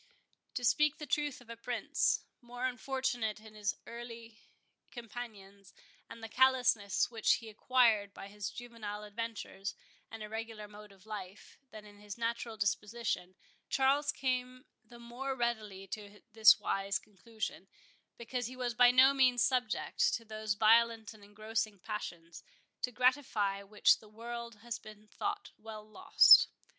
To speak the truth of a prince, more unfortunate in his early companions, and the callousness which he acquired by his juvenile adventures and irregular mode of life, than in his natural disposition, Charles came the more readily to this wise conclusion, because he was by no means subject to those violent and engrossing passions, to gratify which the world has been thought well lost.